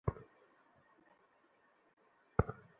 এটা কাজের মধ্যে পড়ে!